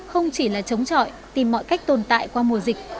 không chỉ là chống trọi tìm mọi cách tồn tại qua mùa dịch